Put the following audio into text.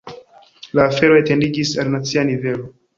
La afero etendiĝis al nacia nivelo.